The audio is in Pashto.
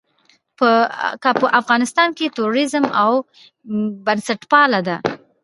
که په افغانستان کې تروريزم او بنسټپالنه ده.